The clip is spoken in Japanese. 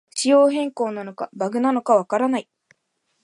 仕様変更なのかバグなのかわからない